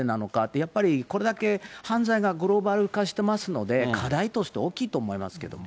やっぱりこれだけ犯罪がグローバル化してますので、課題として大きいと思いますけども。